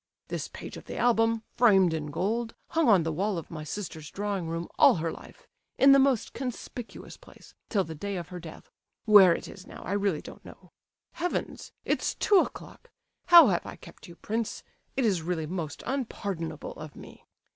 "This page of the album, framed in gold, hung on the wall of my sister's drawing room all her life, in the most conspicuous place, till the day of her death; where it is now, I really don't know. Heavens! it's two o'clock! How I have kept you, prince! It is really most unpardonable of me."